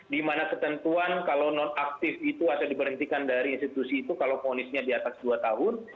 dimana ketentuan kalau non aktif itu atau diberhentikan dari institusi itu kalau ponisnya di atas dua tahun